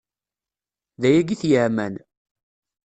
D ayagi i t-yeɛman.